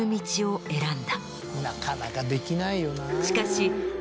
なかなかできないよな。